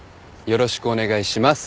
よろしくお願いします。